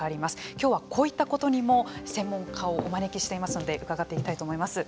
きょうは、こういったことにも専門家をお招きしていますので伺っていきたいと思います。